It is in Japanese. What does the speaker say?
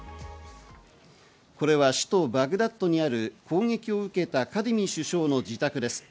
これは首都バグダッドにある攻撃を受けたカディミ首相の自宅です。